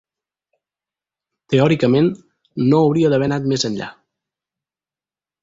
Teòricament, no hauria d'haver anat més enllà.